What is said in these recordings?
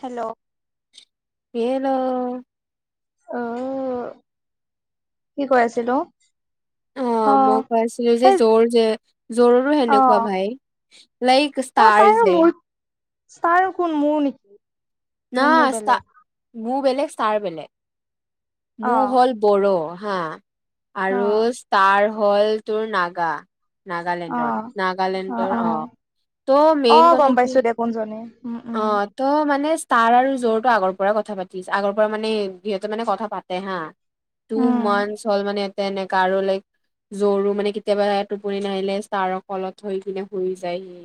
Hello. Hello. অহ', কি কৈ আছিলো। অহ' অ', মই কৈ আছিলো যে সেই জ্বৰ যে জ্বোৰৰো সেনেকুৱা অ', ভাই। লাইক ষ্টাৰ্জ হে। ষ্টাৰ কোন, মোৰ নেকি? নে মোৰ নহয় ষ্টা, বেলেগ মোৰ বেলেগ ষ্টাৰ বেলেগ। মোৰ অ', হ'ল বৰু। হা আৰু অ', ষ্টাৰ হ'ল তোৰ নাগা। নাগালেণ্ডৰ অ', অ', নাগালেণ্ডৰ অহ, অ', ত' মেইন অ', গম কথা পাইছো কি। দে কোনজনী উম, উম, অহ', ত' মানে। তাৰ আৰু জ্বৰটো আগৰ পৰাই কথা পাতিছ, আগৰ পৰা মানে সিহঁতে মানে কথা পাতে হা। উম, টুমানচ্ হ'ল মানে ইতে এনেকা আৰু লাইক। জ্বৰো মানে কেতিয়াবা টোপনি নাহিলে ছাৰৰ কলত থৈ কিনে শুই যায়হি।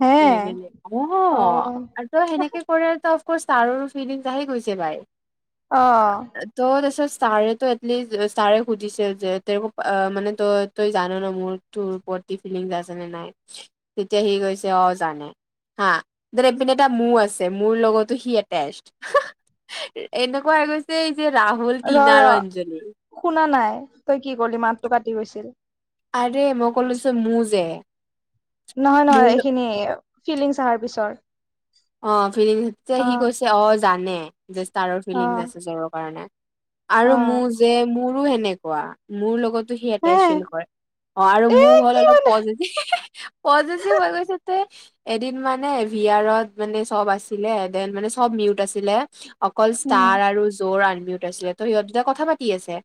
হে এনেকে দিয়ে, অহ, অ', আৰু ত' সেনেকে কৰে ত' ষ্টাৰ ফিলিংছ আহি গৈছে বাই। অ', ত' তাৰপিছত ছাৰে ত' এটলিষ্ট ছাৰে সুধিছিল যে তেওঁক অহ, মানে তই তই জান ন মোৰ তোৰ ওপৰত কি ফিলিংছ আছে নে নাই। তেতিয়া সি কৈছে অহ, জানে হা। এইপিনে এটা মোৰ আছে, মোৰ লগতো সি এটেচ্ [unintelligible] এনেকুৱা হৈ গৈছে। যে ৰাহুল ৰ, টিনা আৰু ৰ। অঞ্জলি শুনা নাই তই কি কৰিলি মাতটো কাটি গৈছিল। আৰে মই কলো যে লৈছো মোৰ যে নহয় মোৰ নহয়। এইখিনি ফিলিংছ আহিৰ পিছৰ অহ' ফিলিংছ যে সি অ', কৈছে অহ, জানে। যে ষ্টাৰৰ ফিলিংছ অ', আছে জ্বোৰৰ কাৰণে। আৰু অ', মোৰ যে মোৰো সেনেকুৱা, মোৰ লগত সি হে এটেচ্ ফিল কৰে অহ, আৰু এ মোৰ হ'ল কি অলপ মানে পজিটিভ পজেচিভ হয় গৈছেতে এদিন মানে ভি আৰত মানে চব আছিলে, দেন মানে চব মিউট আছিলে অকল উম, ষ্টাৰ আৰু জৰ আমিউট আছিলে, ত' সিহঁত দুটা কথা পাতি আছে।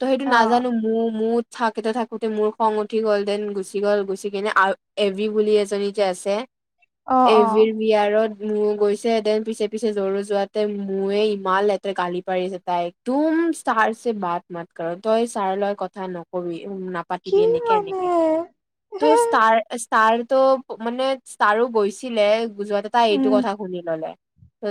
ত' সেইটো অ', নাজানো মোৰ মোৰ থাকোতে থাকোতে মোৰ খং উঠি গ'ল দেন গুচি গ'ল, গুচি কিনে এভি বুলি এজনী যে আছে। অহ', এভিৰ অহ'। বিয়াৰত মোৰ গৈছে দেন পিছে পিছে জৰুো যোৱাতে, ময়ে ইমান লেতেৰা গালি পাৰিছে তাই। তোক তুম ছাৰ চে বাট মাত কৰো, তই ছাৰ লগত কথা নকবি। কি নাপাতিবি এনেকে মানে এনেকে। হে ত' ষ্টাৰ তাৰ ত' মানে, ষ্টাৰো গৈছিলে, যোৱাট তাই এইটো উম কথা শুনি ল'লে। ত'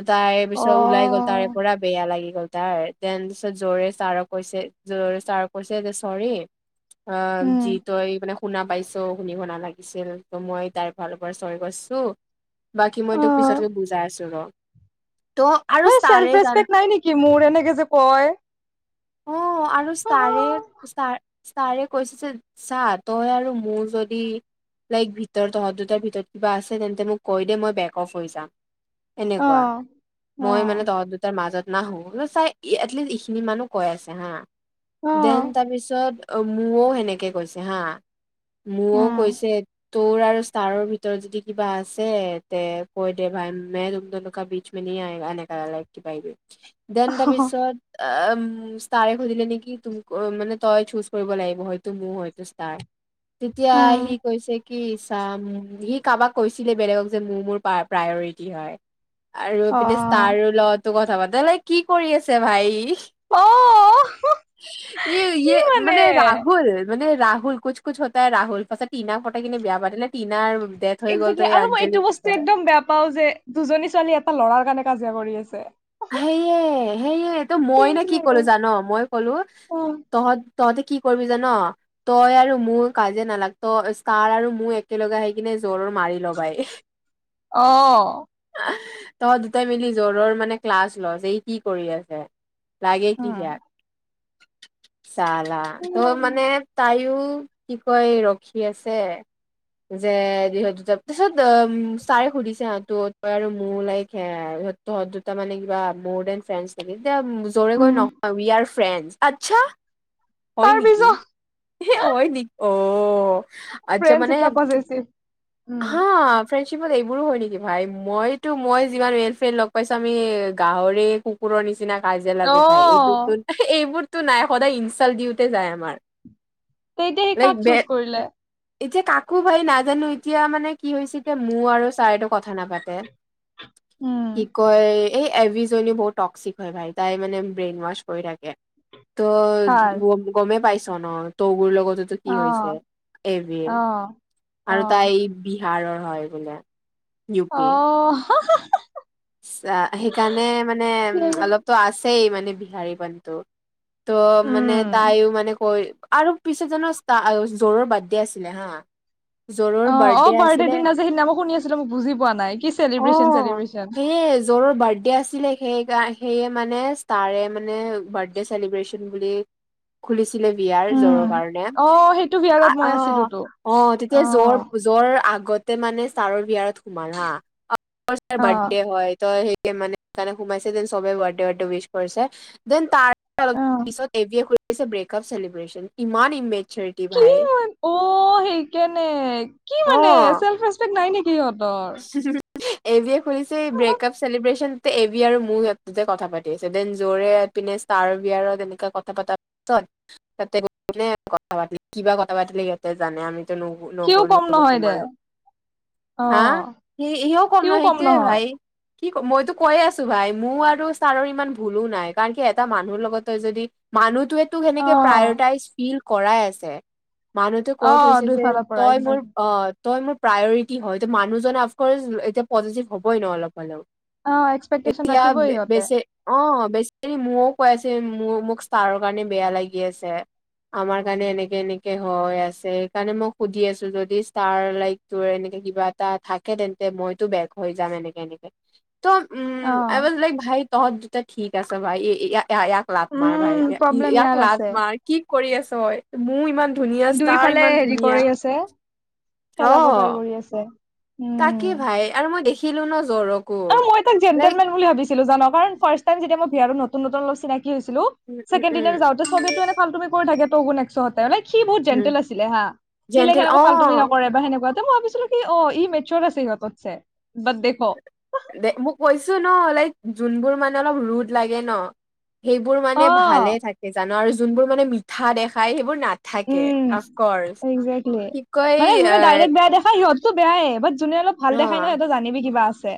অ তাৰেপিছত ওলাই গ'ল, তাৰে পুৰা বেয়া লাগি গ'ল। তাৰ তেন পিছত জৰে চাৰ কৈছে, জৰে চাৰ কৈছে, চৰি। অহ', উম যি তই এই মানে শুনা পাইছো শুনিব নালাগিছিল। ত' মই তাইৰ ফালৰ পৰা চৰি কৈছো। বাকী অ মই তোক পিছতকে বুজাই আছো ৰ। ত' আৰু হেই ষ্টাৰে চেলভ্ জান ৰিচপেক্ট নাই নেকি, মোৰ এনেকে যে কয়। অ' [inaudible] আৰু ষ্টাৰে, ষ্টা, ষ্টাৰে কৈছে যে, চা তই আৰু মোৰ যদি লাইক ভিতৰত, তহঁত দুটাৰ ভিতৰত কিবা আছে, তেন্তে মোক কৈ দে মই বেক্ অফ্ হৈ যাম। অ এনেকুৱা, অ মই মানে তহঁত দুটাৰ মজত নাহো, ন চাই এটলিষ্ট এইখিনি মানুহ কৈ আছে হা উম দেন তাৰপিছত অ', মোও হেনেকে কৈছে হা মোও কৈছে তোৰ আৰু ষ্টাৰৰ ভিতৰত যদি কিবা আছে তে কইদে ভাই মে তুম দন কা বিচ মে নেই আয়গা এনকে লাইক [unintelligible] দেন তাপিছত ষ্টাৰে সুধিলে নেকি তুম মানে তই চুজ কৰিব লাগিব হয়তো মোৰ, হয়তো ষ্টাৰ। তেতিয়া উম সি কৈছে কি চাম সি কাবাক কৈছিলে বেলেগক মোৰ মোৰ প্ৰায়ৰিতি হয় আৰু অ ইপিনে ষ্টাৰো লত ত' কথা পাতে লাইক কি কৰি আছে ভাই। অ ই ইয়ে মানে ৰাহুল মানে ৰাহুল কুচ কুচ হতাহে ৰাহুল পাছত টিনা পতাই কিনি বিয়া পাৱ তেনে টিনাৰ আৰু ডেথ হৈ গ'ল একজেক্টলি তই এই আৰু মই এইটো আঞ্জালিক বস্তু একদম বেয়া পাও যে, দুজনী ছোৱালী এটা ল'ৰাৰ কাৰণে কাজিয়া কৰি আছে। হেইয়ে, হেইয়ে। ত' মই ক্ৰিঞ্জ নে কি লাগে ক'লো জান? মই ক'লো অ তহত-তহঁতে কি কইবি জান? তই আৰু মোৰ কাজিয়া নালাগ, তই ষ্টাৰ আৰু মোৰ একেলগে আহি কিনে জ্বৰৰ মা মাৰি ল'বাই। অ'। তহঁত দুটাই মিলি জৰৰ মানে ক্লাছ ল যে ই কি কৰি আছে? লাগে কি উম সিয়াক। চালা, তই মানে তাইও কি কয় ৰখি আছে। যে ইহঁত দুটা পিছত, ছাৰে সুধিছে হা তই আৰু মোৰ লাইক হে ইহঁত, তহঁত দু টা কিবা মৰ দেন ফেন্স নেকি? দে জৰেকৈ উম নহয় উই আৰ ফেন্সি। আতচা। হয় তাৰ নেকি, পিছত হয় নে অ'। আচ্ছা ফ্ৰেণ্ডছ মানে ইতনা পজেচিভ উম। হা ফে চিব লাই, মোৰো হয় নেকি ভাই মইতো, মই যিমান ৰিয়েল ফ্ৰেণ্ড লগ পাইছ আমি গাহৰি কুকুৰৰ নিচিনা কাজিয়া লাগো ভাই অ', এইবোৰটোন, এইবোৰ টো নাই সদায় ইনচাল দিওঁতে যায় আমাৰ। তে এতিয়া সি লাইক কাক বে চুজ কৰিলে? এতিয়া কাকো ভাই নাজানো এতিয়া মানে কি হৈছে যে এতিয়া মোৰ আৰু ছা এটো কথা নাপাতে। উ। এ' এবিজনি বহুত টক্সিক হয় ভাই তাই মানে ব্ৰেইন ৱাছ কৰি থাকে। ত' কাৰ? গ-গমে পাইছ ন। ত' গুৰ লগ টোতো কি হৈছে অ', এবিল অ', আৰু তাই অ', এই বিহাৰৰ হয় বলে, ইউ পি। অ'। চা সেইকাৰণে মানে অলপতো আছেই মানে বিহাৰী পানটো। তো মানে উম, তাইও মানে কৈ আৰু পিছেত জান ষ্টা-জ'ৰ বাৰ্থডে আছিলে হা। জৰৰ অ' অ' বাৰ্থডে আছিলে দিনা যে সিদিনা মই শুনি আছিলো। মো বুজি পোৱা নাই। কি চেলিব্ৰেচন অ' চেলিব্ৰেচন। সেইয়ে জ'ৰৰ বাৰ্থডে আছিলে সেইকা সেয়ে মানে ষ্টাৰে মানে বাৰ্থডে চেলিব্ৰেচন বুলি খুলিছ ছিলে বিয়াৰ উম। জ'ৰৰ কাৰণে অ', সেইটো আ, বিয়াৰত মই অ', আছিলোতো অ' তেতিয়া জ'ৰ, অ', জ'ৰ আগ গতে মানে ষ্টাৰৰ বিয়াত সোমাল হা। অফক'চ অ', বাৰ্থডে হয়। ত' হেয়ে মানে হেকাণে সোমাইছে দেন চব বাৰ্থডে বাৰ্থডে উইচ কৰিছে দেন তাৰ অলপ অ'। পিছত এবিয়ে খুলিছে ব্ৰেকআপ চেলিব্ৰেশন ইমান ইমে কি মান, অ' সেকানে কি মানে অ', চেলফৰেষ্পেক নাই নেকি? সিহঁতৰ। এবিয়ে সুধিছে এই ব্ৰেক আপ চেলিব্ৰেচন তে এবি আৰু মোৰ সিহঁত দুটাই কথা পাতি আছে দেন জ'ৰে এপিনে ষ্টৰা বিয়াৰত এনেকা কথা পতা ছত তাতে কোনে কথা পাতিল কিবা কথা পাতিল সিহঁতে জানে আমি ন' সিও নগ'লো কম নহয় দে নোসোমালোও হা' অ', সিও কম নহয় সেইটোৱে ভাই কি, মইতো কৈ আছো ভাই মোৰ আৰু ছাৰৰ ইমান ভুলো নাই কাৰণ কি এটা মানুহৰ লগতে যদি মানুহটোৱেতো সেনেকে অ'। প্ৰায়ৰিটাইজ ফিল কৰাই আছে মানুহতোৱে অ ক'ত হৈছে যে দুইফালৰ পৰা তই মোৰ একজেক্ট অ', তই মোৰ প্ৰায়ৰিটি হয় মানুহজননে অফকৰ্চ এতিয়া পজিটিভ হবই ন অলপ অলপ অ এক্সপেক্টেশচন এতিয়া ৰাখিবই সিহঁতে বেচ অ', বেছিকি মইও কৈ আছো মোৰ মোক ষ্টাৰৰ কাৰণে বেয়া লাগি আছে আমাৰ কাৰণে এনেকে, এনেকে হয় আছে সেইকাৰণে মই সুধি আছো যদি ষ্টাৰ লাইক তোৰ এনেকে কিবা থাকে তেন্তে মইতো বেক হৈ যাম এনেকে এনেকে ত' উ অ আই ৱাজ লাইক ভাই তহঁত দুটা ঠিক আছ ভাই এ ইয়া ই ইয়াক লাত মাৰ ভাই উম প্ৰব্লেম ইয়াক ইয়াৰ লাত আছে মাৰ কি কৰি আছ ঐ মোৰ ইমান ধুনীয়া ষ্টাৰ দুইফালে ইমান হেৰি ধুনীয়া কৰি আছে খেলাব ট্ৰাই অ', কৰি আছে তাকে উম ভাই আৰু মই দেখিলো ন জ্বৰক অ মই তাক জেণ্টেলমেন বুলি ভাবছিলো [unintelligible] ফাৰ্ষ্ট টাইম যেতিয়া মই [unintelligible] নতুন, নতুন লৈ হৈছিলো উম উম ছেকেণ্ড দিনা উম যাওতে চবেটো এনে ভাল তুমি কৰি থাকে তু একতে সি বহুত উম জেণ্টেল আছিলে হা সিলাগে জেণ্টেল সেনেকা অ ফাল্টুৱামি নকৰে বা সেনেকুৱা মই ভাবিছিলো কি অ ই মেচৰ আছে সিহঁততছে বাট দেখো দে মোক কৈছো ন লাইক যোনবোৰ মানে অলপ ৰ'দ লাগে ন সেইবোৰ মানে অ ভালে থাকে জানো আৰু যোনবোৰ মানে মিঠা দেখাই সেইবোৰ না নাথাকে উম আফকৰ্চ একজেক্টলি কি কয় এ সো বেয়াই বাট যোনে অলপ ভাল দেখাই ন সেইটো জানিবি কিবা আছে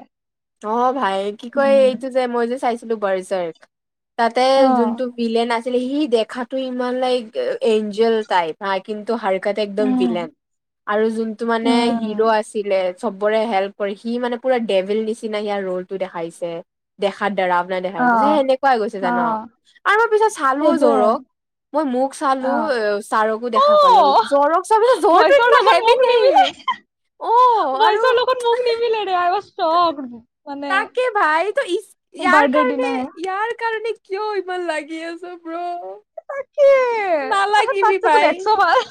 অ', ভাই কি কয় উম এইটো যে মই যে চাইছিলো বাৰজাৰ্গ তাতে অ যোনটো বিলেন আছে সি দেখাতটো ইমান লাইক এঞ্জেল টাইপ হা কিন্তু হা একদম উম ভিলেন আৰু যোনটো মানে হিৰো উম আছিলে সবৰে হেল্প কৰে সি মানে পুৰা ডেভেল নিচিনা সিয় ৰোল টো দেখাইছে দেখাৰ দ্বাৰা আ অ দেখাছে যে সেনেকুৱাই গৈছে অ জান আৰু মাৰ পিছত চালো সেইটোয়ে জ্বৰক মই মোক চালো অ এ ছাৰকো অ দেখা পালো জ্বৰক চ পিছ জ্বৰো এ হেভি নি পইচাৰ লগোকত মন নিমিলে মানে ত ই ইয়াৰ বাৰ্থডেৰ কাৰণে দিনাহে ইয়াৰ কাৰণে কিয় ইমান লাগি আছে ব্ৰ নালাগিবি ভাই [unintelligible] একশ বাৰ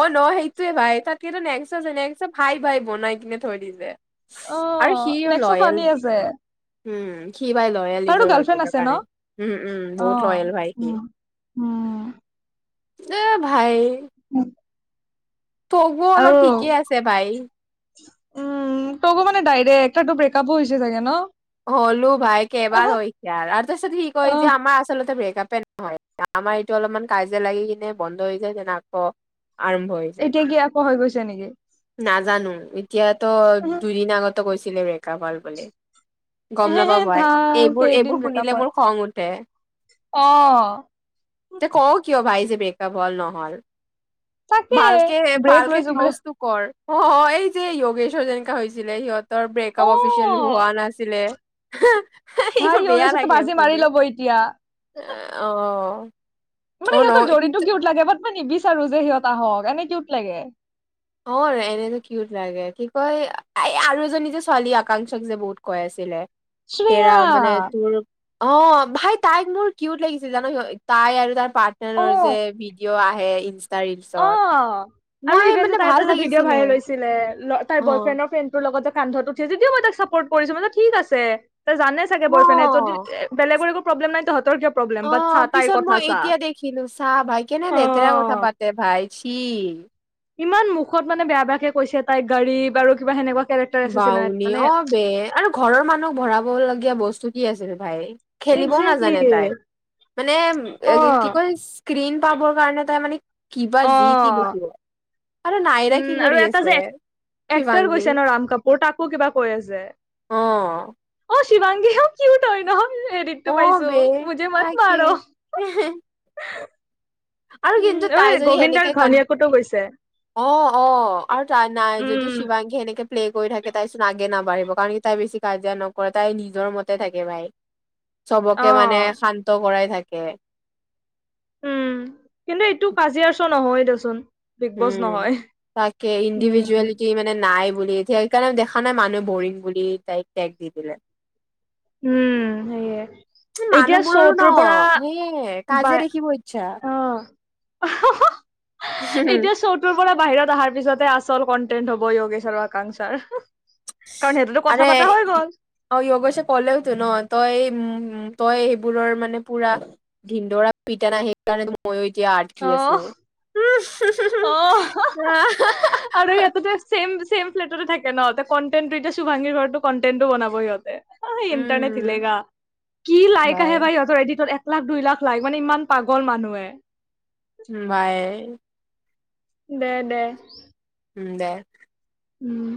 অ', ন সেইটয়ে ভাই তাত কি নেক্স আছে নেক্সক ভাই ভাই বনাই কিনে থৈ দিছে যে অ আৰু সিও নেক্সো লয়েল ফানি আছে হম সি ভাই লয়েল, তাৰো নিজৰ গাৰ্লফ্ৰেণ্ড গাৰ্লফ্ৰেণ্ডৰ আছে ন কাৰণে উম উম অ বহুত লয়েল, ভাই সি উম উম। আহ ভাই [unintelligible] বোৰ অলপ আৰু ঠিকেই আছে ভাই উম, তকো মানে ডাইৰেক তাৰটো ব্ৰেকআপো হৈছে চাগে ন হ'লো ভাই কেইবাৰ আহা হৈ হৈছে আৰু তাৰপিছত সি কয় যে অহ আমাৰ আচলতে াপে নহয় আমাৰ এইটো অলপমান কাজে লাগি কিনে বন্ধ হৈ যায় দেন আক আৰম্ভ হৈ যায় এতিয়া কি আকৌ হৈ গৈছে নেকি নাজানো এতিয়াতো উহু দুদিন আগতে কৈছিলে ব্ৰেকাপ হ'ল বুলি গম এহেহে নাপাবই থাক এইবোৰ কেইদিন এইবোৰ ব্ৰেকআপ শুনিলে হয় মোৰ খং উঠে অ এ, ক কিয় ভাই যে বেকআপ হল নহল তাকে ভালক, ব্ৰেক ভালকে লৈছো বোলে ক্ল'জটো কৰ অ', এই যে য়োগেশ্বৰ যেনেকা হৈছিলে সিহঁতৰ ব্ৰেকআপ অ অফিচিয়েল হোৱা নাছিল ছিলে ভাই এইবোৰ বেয়া য়োগেশতো থাকে বাজি মাৰি শুলি ল'ব এতিয়া অ', অ মানে ন সিহঁতৰ কিন্তু জৰৰিটো লাগে বাট মই নিবিচাৰো যে সিহঁত আহক এনে কিউত লাগে অ এনেতো কিউত লাগে কি কয় এই আৰু এজনী যে ছোৱালী আকাংক্ষক যে বহুত কৈ আছিলে তেৰা শ্ৰেয়া মানে তোৰ অ ভাই তাইক মোৰ কিউত লাগিছে জানো তাই আৰু তাৰ অ পাৰ্টনাৰৰ যে ভিডিঅ' হে ইনষ্টা ৰিলছত মই মানে ভাল তাৰপিছত ভিডঅ' লাগিছিলে ভাইৰেল হৈছিলে তাৰ অ বয় ফ্ৰেডৰ ফ্ৰেণ্ড লগত যে কান্ধটো উঠিয় যদিও মই তাক চাপৰ্ট কৰিছো ঠিক আছে ত জানে চাগে অ বয়ফ্ৰেডে যদি বেলেৰ একো প্ৰব্লেম নাই তহঁ অ পিছত মই এতিয়া দেখিলো চাহ ভাই কেনে অ লেতেৰা কথা পাতে ভাই চি ইমান মুখত মানে বেয়া বেয়াকে কৈছে তাইক গাড়ী বাৰু কিবা সেনেকুৱা কেৰেক্টাৰ আছে চিনাত বাউনী মানে অ বে আৰু ঘৰৰ মানুহক ভৰাবলগীয়া বস্তু কি আছিল ভাই খেলিবও একজেক্টলি নাজানে তাই মানে অ কি কয় স্ক্ৰীণ পাবৰ কাৰণে তাই মানে কিবা অ জিট বকিব আৰু নাইৰা কি উম আৰু কৰি এটা আছে যে এক এক্টাৰ শিৱাংগী কৈছে ন ৰাম কাপুৰ অ তাকো কিবা কৈ আছে অ', অ শিৱাংগী হ কি তই নহ অ', এৰিতটো পাইছো বে বুজে মাত তাকে মাৰ আৰু কিন্তু উম ঐ তাই যদি গোবিন্দাৰ সেনেকে কন ঘৈনীয়োকোতো গৈছে অ অ আৰু তাৰ নাই উম, যদি শিৱাংগী সেনেকে প্লে কৰি থাকে তাৰ পিছত আগে নাবাঢ়িব কাৰণ তাই বেছি কাজিয়া নকৰে তাই নিজৰ মতে থাকে ভাই [inaudible] চবকে মানে অ', শান্ত কৰাই থাকে উম কিন্তু এইটো কাজিয়াৰ চ নহয় দেচোন বিগ বছ উম নহয়। তাকে উম, ইণ্ডিভিজুৱেলি কি মানে নাই বুলি সেইকাৰণে দেখা নাই মানুহে বৰিং বুলি তাইক টেগ দি দিলে উম সেইয়ে এতিয়া মানুহবোৰৰো ন চৌটোৰ পৰা সেয়ে বা কাজিয়া দেখিব ইচ্ছা অ এতিয়া চৌটোৰ পৰা বাহিৰত অহাৰ পিছতে আছে আচল কণ্টেন্ট হ'ব যোগেশৰ আকাংক্ষাৰ কাৰণ সেইটোতো আ কথা পাতা হৈ গ'ল, অ য়গেছে কলে ন তই তই সেইবোৰৰ মানে পুৰা ধিনন্দৰা পিতা নাই সেইকাৰণে মই তিয় আটকি আছো অ', অ আৰু ইয়াতে যে চেম ছেম ফ্লেটতে থাকে নহ কণ্টেণ্টো এতিয়া চুভাঙীৰ ঘৰতো কণ্টেন্টো বনাব সিহঁতে অ ইণ্টাৰনেট উম হিলেগা কি লাইক হে বাই ভ ইহঁতৰ এড এক লাখ দুই লাখ লাইখ মানে ইমান পাগল মানুহে বাই দে দে উম দে উম